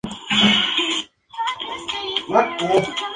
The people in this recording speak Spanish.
Es de estilo gótico de Reconquista.